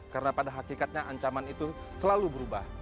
karena pada hakikatnya ancaman itu selalu berubah